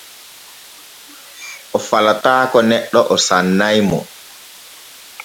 O falataako neɗɗe o sannay mo.